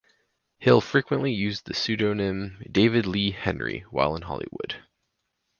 Hill frequently used the pseudonym David Lee Henry while in Hollywood.